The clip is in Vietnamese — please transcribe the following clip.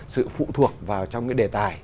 sự phụ thuộc vào trong cái đề tài